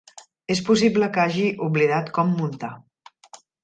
És possible que hagi oblidat com muntar.